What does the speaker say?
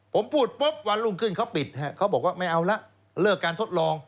ผมพูดปุ๊บวันรุ่งขึ้นเขาปิดเขาบอกว่าไม่เอาละเลิกการทดลอง